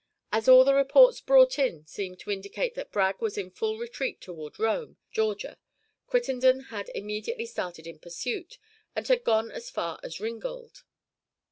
As all the reports brought in seemed to indicate that Bragg was in full retreat toward Rome, Ga., Crittenden had immediately started in pursuit, and had gone as far as Ringgold.